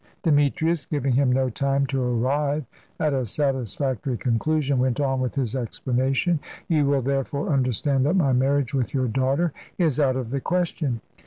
Demetrius, giving him no time to arrive at a satisfactory conclusion, went on with his explanation. "You will, therefore, understand that my marriage with your daughter is out of the question."